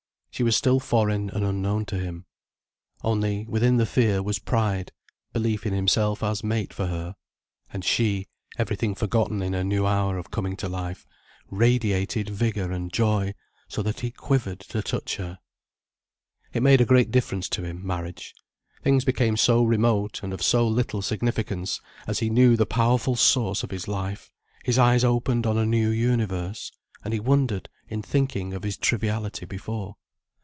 She was still foreign and unknown to him. Only, within the fear was pride, belief in himself as mate for her. And she, everything forgotten in her new hour of coming to life, radiated vigour and joy, so that he quivered to touch her. It made a great difference to him, marriage. Things became so remote and of so little significance, as he knew the powerful source of his life, his eyes opened on a new universe, and he wondered in thinking of his triviality before.